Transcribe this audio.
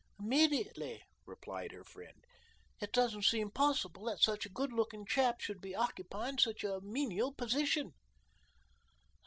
"Immediately," replied her friend. "It doesn't seem possible that such a good looking chap should be occupying such a menial position."